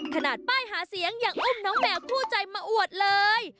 ขนาดป้ายหาเสียงยังอุ้มน้องแมวคู่ใจมาอวดเลย